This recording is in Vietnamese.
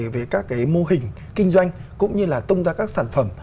về các cái mô hình kinh doanh cũng như là tung ra các sản phẩm